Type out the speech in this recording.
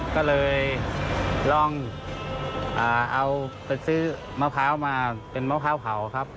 ก็เลยลองเอาไปซื้อมะพร้าวมาเป็นมะพร้าวเผาครับ